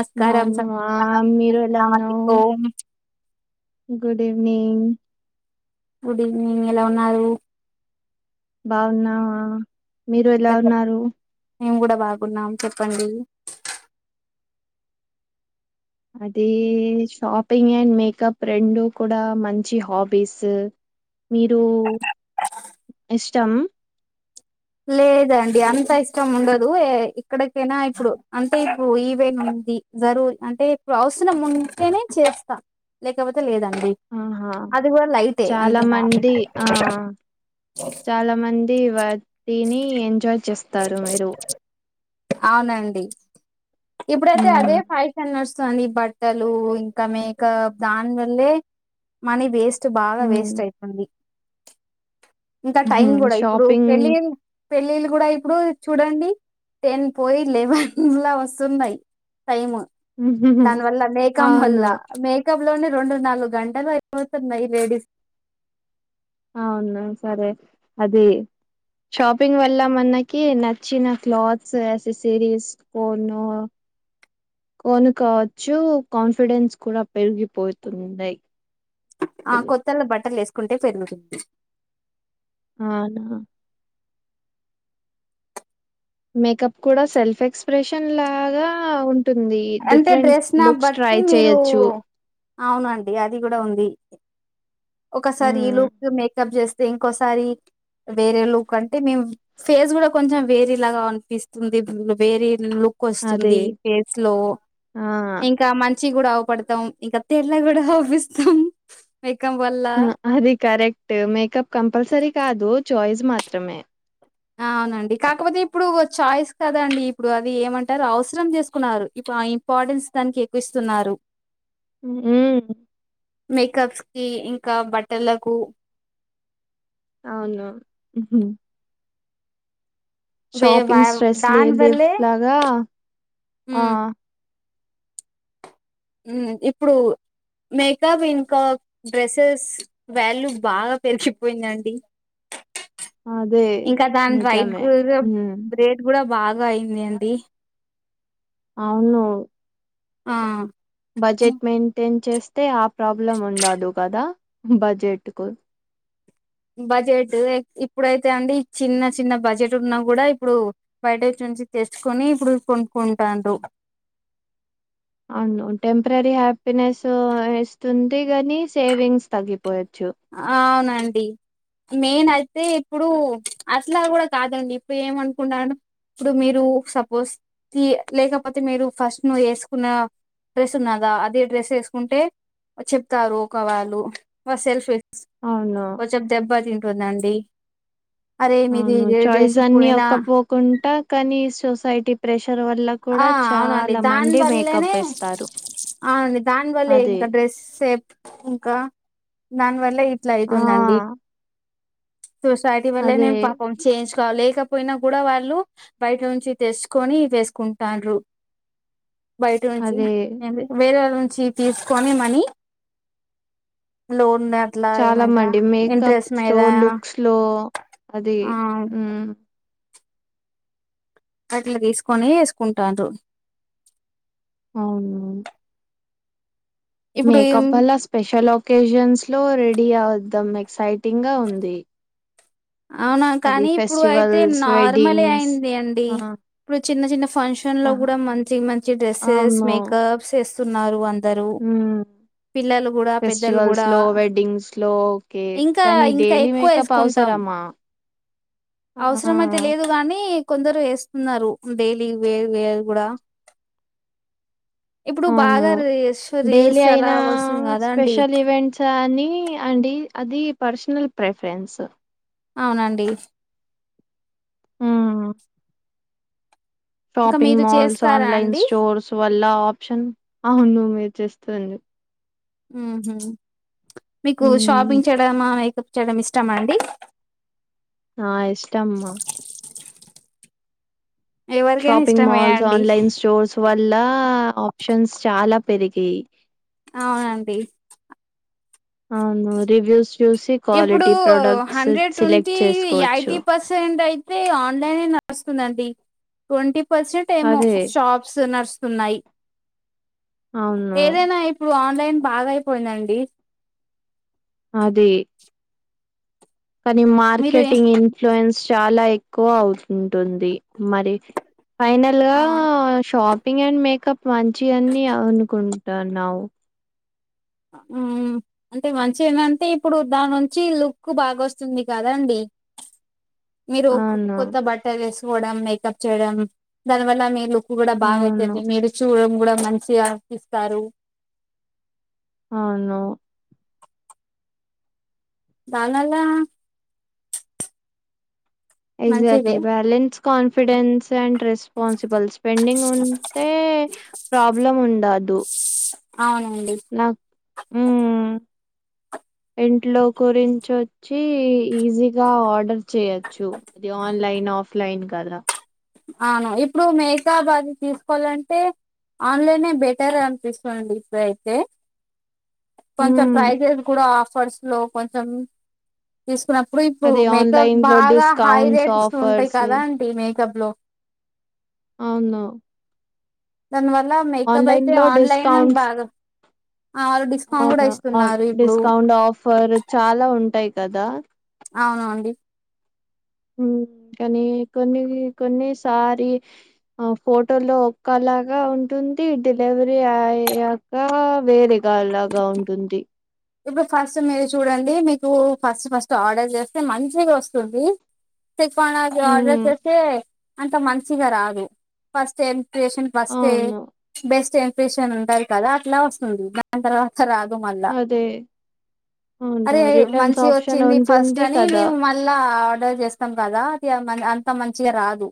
నమస్కారం బాగున్నవ మీరు ఎలా ఉన్నావు ఓం గుడ్ ఈవిెనింగ్ గుడ్ ఈవినింగ్ ఎలా ఉన్నారు బాగున్నావా మీరు ఎలా ఉన్నారు మేము కూడా బాగున్నాం చెప్పండి అది షాపింగ్ అండ్ మేకప్ రెండు కూడా మంచి హాబీస్ మీరు ఇష్టం లేదండి అంత ఇష్టం ఉండదు ఇక్కడికైనా ఇప్పుడు అంటే ఇప్పుడు ఇవేన్ ఇది జరుూర్ అంటే ఇప్పుడు అవసరం ముంటేనే చేస్తా లేకపోతే లేదం డి ఆహా అది కూడా లైటే చాలా అంతట మంది ఆ త్ వటిని ఎంజాయ్ చేస్తారు మీరు అవునండి ఇప్పుడైతే అదే ఉమ్ ఫై హైంనడ్స్ ని బట్టలు ఇంకా మేకప్ దాని వల్లే మనీ వేస్ స్ట్ బాగా ఉమ్ వేస్ట్ అయితంది ఇంకా ఉహు టైం కూడా ఇప్పుడు షాపింగ్ పెళ్లి న్ పెళ్ళిళ్ళు కూడా ఇప్పుడు చూడండి టెన్ పోయి లెవెన్ లా వస్తున్నాయి టైమ్ మ్హూ. దాని వల్ల మేకం వల్ల అవును మేక్ కప్ లోనే రెండు నాలుగు గంటలు అయిపోతున్నాయి లేడీస్ అవును సరే అది షాపింగ్ వల్ల మనకి నచ్చిన క్లాత్స్ ఎసెసరీస్ ఫోన్ కొను కావచ్చు కాన్ఫిడెన్స్ కూడా పెరిగిపోతున్నాయి ఆ కొత్తోళ్ళ బట్టలు వేసుకుంటే పెరుగుతుంది అవునా మేకప్ కూడా సెల్ఫ్ ఎక్స్ప్రెషన్ లాగా ఉన్ టుంది అంటే డిఫరెంట్ డ్రెస్ నా లుక్స్ ట్రై బట్టి మీరు చేయోచ్చు అవునండి అది కూడా ఉంది ఒకసారి ఈ మ్మ్ లుక్ మేకప్ చేస్ స్తె ఇంకోసారి వేరే లుక్ అంటే మేము ఫేస్ కూడా కొంచెం వేరే లాగనిపిస్తుంది వేరే లుక్ అదే క్కోస్తుంది పేస్ లో ఆ ఇంకా మం చిగ కూడా ఆవ్పడుతాం ఇంకా తెళ్ళగ కూడా ఆవ్పిస్తాం అ అది కరెక్ట్ మేకప్ కంపల్సరీ కాదు చాయిస్ మాత్రమే అవునండి కాకపోతే ఇప్పుడు చాయిస్ కదండి ఇప్పుడు అది ఏమంటారు అవసరం తీసుకున్నారు ఇప్ అ ఇంపార్టెన్స్ దానికి ఎక్కువిస్తున్నారు మ్ మేకప్స్ కి ఇంకా బట్టలకు అవును వే వా షాపింగ్ స్ట్రెస్ దాని లేదు వల్లే లాగా ఆ హ్మ్ ఉం ఇప్పుడు మేకప్ ఇంకా డ్రెస్సెస్ వాల్యూ బాగా పెరిగిపోయిందండి అదే ఇంకా దాని రైట్ నిజమే ఉమ్ రేట్ కూడా బాగా అయింది అండి అవును ఆ బడ్జెట్ మెయింటెన్ చేస్తే ఆ ప్రాబ్లం ఉండదు కదా బడ్జెట్ కు బడ్జెట్ ఇప్పుడైతే అండి చిన్న చిన్న బడ్జెట్ ఉన్నా కూడా ఇప్పుడు బయట నుంచి తెచ్చుకొని ఇప్పుడు కొను కొనుకుంటారు అవును టెంపరరీ హ్యాపీనెస్ ఇస్తుంది గాని సేవింగ్స్ తగ్గి అవునండి మెయిన్ అయితే ఇప్పుడు అట్లా కూడా కాదండి ఇప్పుడు ఏమనుకున్నాను ఇప్పుడు మీరు సపోజ్ తీ లేకపోతే మీరు ఫస్ట్ నువ్వు వేసుకున్న డ్రెస్ ఉన్నదా అదే డ్రెస్ వేసుకుంటే చెప్తారు ఒక వాళ్ళు వా సెల్ఫ్ అవును కొంచెం దెబ్బ తింటుందండి అరే మీది అవును ఇదే చాయిస్ డ్రెస్ అన్ని పోయినా ఒక్కపోకుంటా కానీ సొసైటీ ప్రెష వల్ల ఆ కూడా అవునండి చాలా దాని మంది మేకప్ వల్లనే వేస్తారు అవునండి దానివల్లే అదే ఇంకా డ్రెస్ సేప్ ఇంకా దానివల్లే ఇట్లా ఆ అయితుందండి సొసైటీ అదే వల్లనే పాపం చేంజ్ లేకపోయినా కూడా వాళ్ళు బయట నుంచి తెచ్చుకొని వేసు కుంటారు బయట నుంచి అదే వేరే వాళ చి తీసుకొని మనీ లో చాలా మండి మేకప్ స్ లో మీద లుక్స్ లో అది ఆ ఉం అట్లా తీసుకొని వేసుకుంటారు అవునవును ఇప్పుడు ఏం మేకప్ వల్ల స్పెషల్ అకేషన్స్ లో రెడీ అవద్దాం ఎక్సైటింగ్ గా ఉంది అవునా అది కానీ ఇప్పుడు అయితే ఫెస్టివల్స్ నార్మలే వెడ్డింగ్స్ అయింది అండి ఆ ఇప్పుడు చిన్న చిన్న ఫంక్షన్ లో ఆహా కూడా మంచి మంచి డ్రెస్సెస్ అవును మేకప్స్ వేస్తున్నారు అంత అందరు మ్మ్ ఫెస్టివల్స్ లో వెడ్డింగ్స్ లో ఓకే ఇంకా కానీ ఇంకా డైలీ ఎక్కువ మేకప్ అవస అవసరమా ఆ అవసర మయితే లేదు గానీ కొందరు న్నారు డైలీ వే కూడా ఇప్పుడు అవును బాగా డైలీ రీల్స్ అలా అయినా వస్తుంది కదా అండి స్పెషల్ ఈవెంట్స్ అని అండి అది పర్సనల్ ప్రెఫరెన్స్ అవునండి ఆ ఇంకా షాపింగ్ మీరు మాల్స్ చేస్తారా ఆన్లైన్ అండి స్టోర్స్ వ ల ఆప్షన్ అవును మీరు చేస్తంది ఊహు మీకూ హ్మ్. షాపింగ్ చేయడమా మీకు చేయడం ఇష్టమా అండి. ఆ ఇష్టమ్మా ఎవరికైనా షాపింగ్ ఇష్టమే మాల్స్, అండి ఆన్లైన్ స్టోర్స్ వ ల్లా ఆప్షన్స్ చాలా పెరిగాయి అవునండి అవును రివ్యూస్ చూసి ఇప్పుడూ quality products hundred select twenty చేసుకోవచ్చు. ఎయిటీ పర్సెంట్ అయి తే ఆన్లైనే నడుస్తుందండి. ట్వంటీ పర్సెంట్ ఏమో అదే. షాప్స్ నడుస్త్ తున్నాయి అవును. ఏదైనా ఇప్పుడూ ఆన్ న్లైన్ బాగా అయిపోయిందండి. అదీ కానీ మీరు ఏ మార్కెటింగ్ ఇన్ఫ్లూయెన్స్ చాలా ఎక్కువా అవుతుంటుంది మరి. ఫైనల్ గా ఆ షాపింగ్ అండ్ మేకప్ మంచియ్ అన్నీ అనుకుం టన్నావు ఊ అంటే మంచిగ ఏందంటే ఇప్పుడు దాని నుంచీ లుక్ బాగొస్తుంది కదా అండి. మీరు అవును. కొత్త బట్టల్ ఏసుకోవడం మేకప్ చేయడం దాని వల్లా మీ లుక్. క్కు గూడా అవును. అవును. బాగాయితది మీరు చూడడం గూడా మంచిగా [inaudible] పిస్తారు అవును దాని వల్లా exactly balance, confidence and responsibles spending ఉంటే ప్రాబ్లం ఉండదూ. అవునండి నాక్ ఊ ఇంట్లో గురించి వచ్చీ ఈజీగా ఆర్డర్ చేయొచ్చు అది ఆన్లైన్. నా ఆఫ్లైన్ కాదురా అవును ఇప్పుడూ మేకప్ అది తీసుకోవాలంటే ఆన్లైనే బెటర్ అనిపిస్తుంది ఇప్పుడయితే. కొంచెం హ్మ్. ప్రైజెస్ కూడా ఆఫర్స్ లో కొంచెం తీస్ అప్పుడు ఇప్పుడు అది మేకప్ ఆన్‌లైన్‌లో బాగా హై డిస్కౌంట్స్, రేట్స్ ఇస్తూ ఉంటాయి ఆఫర్స్ కదా ఆంటీ మేక్ తబ్లో అవును దానివల్లా మేకప్ అయితే ఆన్‌లైన్‌లో ఆన్లైనే బాగా ఆ వాళ్ళు డిస్కౌంట్ కూడా అవునా అవున్ ఇస్తున్నారు ఇప్పుడు డిస్కౌంట్ ఆఫర్ చాలా ఉంటాయి కదా. అవునా అండి ఊ కానీ కొన్నీ కొన్ని సారి ఆ ఫోటోలో కలర్ లాగా ఉంటుంది డెలివరీ అయ్యాకా వేరేగా లాగా ఉంటుంది. ఇప్పుడు ఫస్ట్ మీరు చూడండి మీకూ ఫస్ట్ ఫస్ట్ ఆర్డర్ చేస్తే మంచిగా వస్తుంది. పిక్ [unintelligible] ఆర్డర్ హ్మ్ చేస్తే అంత మంచిగా రాదు ఫస్ట్ టేం ఇంప్రెషన్ ఫస్టే అవును బెస్ట్ ఇంప్రెషన్ ఉంటది కదా అట్లా వస్తుంది దాని తర్వాత్ త రాదుమల్లా అదే అవును అరే రిటర్న్స్ మంచిగ ఆప్షన్ ఒచ్చింది ఫస్ట్ ఉంటుంది అనీ కదా మేము మళ్ళా ఆడ్ ర్డర్ చేస్తాం కదా అది అంత మంచిగా రాదు.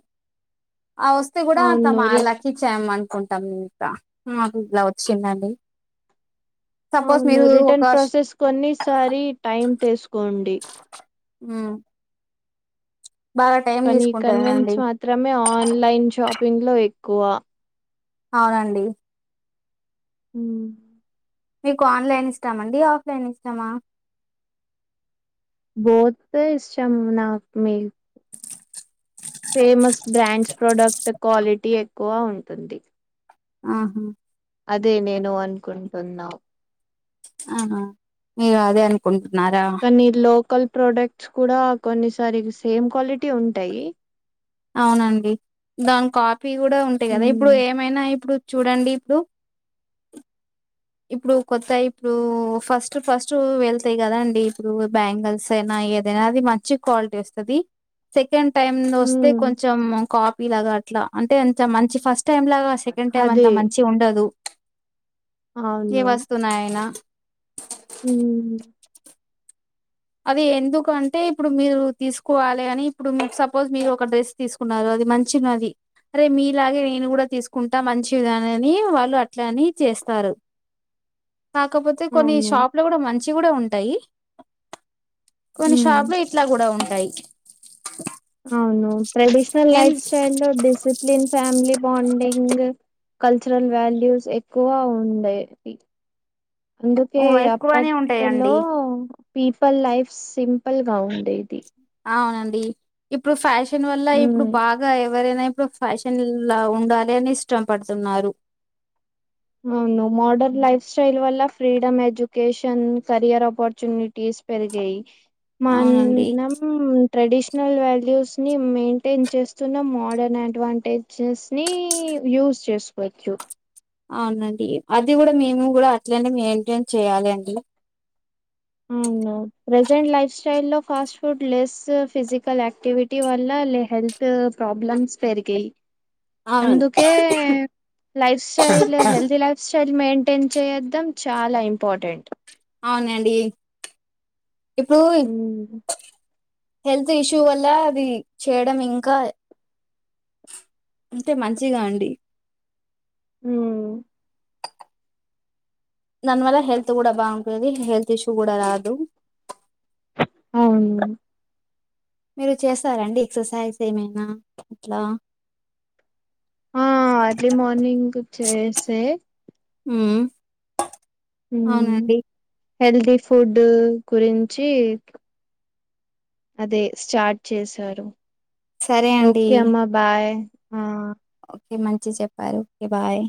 ఆ వస్తే గూడా అవును అంతామా రి లక్కీ చామ్ అన్ నుకుంటాం ఇంకా నాకు ఇలా వచ్చిందండి. సపోజ్ అవును మీరు ఒక రిటర్న్ ప్రాసెస్ కొన్నిసారి టైమ్ తీసుకోండి ఆ కానీ కన్వెన్స్ తీసుకుంటారండి మాత్రమే ఆన్లైన్ షాపింగ్ లో ఎక్కువ అవునండి మ్మ్ మీకు ఆన్లైన్ ఇస్తామండి ఆఫ్లైన్ ఇస్తామా బోత్ ఇష్టం నాకు మీ ఫేమస్ బ్రాండ్స్ ప్రోడక్ట్ క్వాలిటీ ఎక్కువ ఉంటుంది ఆహా అదే నేను అనుకుంటున్నావు ఆ ఆ మీరు అదే అనుకంట కానీ లోకల్ ప్రొడక్ట్స్ కూడా కొన్నిసారి సేమ్ క్వాలిటీ ఉంటాయి అవునండి దానికి కాపీ కూడా ఉంటాయి కదా ఇప్పుడు ఉమ్ ఏమైనా ఇప్పుడు చూడండి ఇప్పుడు ఇప్పుడు కొత్త ఇప్పుడు ఫస్ట్ ఫస్ట్ వెళ్తాయి కదా అండి ఇప్పుడు బ్యాంగిల్స్ అయినా ఏదైనా అది మంచి క్వాలిటీ వస్తది సెకండ్ టైమ్ వస్తే ఉమ్ కొంచెం కాపీ లాగా అట్లా అంటే అంత మంచి ఫస్ట్ టైం లాగా సెకండ్ టైం అంత అదే మంచిగా ఉండదు ఏ అవును వస్తున్నాయనా ఉమ్ అది ఎందుకంటే ఇప్పుడు మీరు తీసుకోవాలి అని ఇప్పుడు సపోజ్ మీరు ఒక డ్రెస్ తీసుకున్నారు అది మంచిగాది అరే మీలాగే నేను కూడా తీసుకుంటా మంచి విధానని వాళ్ళు అట్లని చేస్తారు కాకపోతే కొన్ని అవును షాపులు కూడా మంచి కూడా ఉంటాయి కొన్ని ఉమ్ షాపులు ఇట్లా కూడా ఉంటాయి అవును ట్రెడిషనల్ ఎన్ లైఫ్ స్టైల్ లో discipline family bonding cultural values ఎక్కువ ఉండే అందుకే ఎక్కువనే అప్పటలో ఉంటాయండి పీపుల్ లైఫ్ సింపుల్ గా ఉండేది అవునండి ఇప్పుడు ఫ్యాషన్ వల్ల ఇప్పుడు ఉమ్ బాగా ఎవరైనా ఇప్పుడు ఫ్యాషన్లా ఉండాలి అని ఇష్టము పడుతున్నారు అవును మోడర్న్ లైఫ్ స్టైల్ వల్ల ఫ్రీడమ్ ఎజ్యుకేషన్ కెరియర్ ఆపర్చునిటీస్ పెరిగై అవునండి మనం ట్రెడిషనల్ వాల్యూస్ ని మెయింటైన్ చేస్తున్న మోడర్న్ అడ్వాంటేజెస్ ని యూజ్ చేసుకోవచ్చు అవునండి అది కూడా మేము కూడా అట్లనే మెయింటైన్ చేయాలి అండి ఆ ప్రజెంట్ లైఫ్ స్టైల్ లో fast food less physical activity వల్ల లే హెల్త్ ప్రాబ్లమ్స్ పెరిగాయి అవును అందుకే life style healthy life style maintain చేయద్దడం చాలా ఇంపార్టెంట్ అవునండి ఇప్పుడు మ్మ్ హెల్త్ ఇష్యూ వల్ల అది చేయడం ఇంకా అంటే మంచిగా అండి. ఉమ్. దానివల్ల హెల్త్ గుడా బాగుంటుది హెల్త్ ఇష్యూ గుడా రాదు. అవును. మీరు చేస్తారండి ఎక్సర్సైజ్ ఏమైనా అట్లా. ఆ ఎర్లీ మార్నింగ్ చేసే ఉమ్ అవునండి. హెల్దీ ఫుడూ గురింఛీ. అదే స్టార్ట్ చేశారు సరే అండి ఓకే అమ్మా బాయ్. ఆ ఓకే మంచిగ చెప్పారు ఓకే బాయ్.